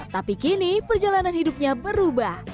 tapi kini perjalanan hidupnya berubah